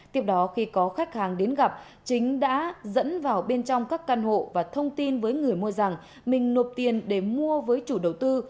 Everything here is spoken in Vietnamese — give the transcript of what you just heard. tiếp đó khi có khách hàng đến gặp chính đã dẫn vào bên trong các căn hộ và thông tin với người mua rằng mình nộp tiền để mua với chủ đầu tư